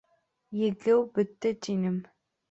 Егеү бөттө тинем!